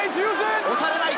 押されない！